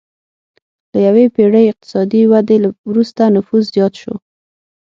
له یوې پېړۍ اقتصادي ودې وروسته نفوس زیات شو.